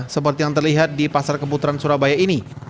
seperti yang terlihat di pasar keputaran surabaya ini